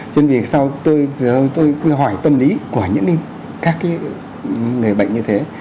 cho nên vì sao tôi hỏi tâm lý của những cái bệnh như thế